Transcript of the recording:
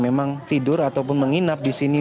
memang tidur ataupun menginap di sini